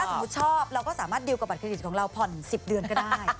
สมมุติชอบเราก็สามารถดิวกับบัตเครดิตของเราผ่อน๑๐เดือนก็ได้